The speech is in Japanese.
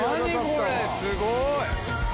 すごい。